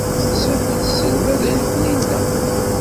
Tessaki-d tselmadt annekni-nneɣ.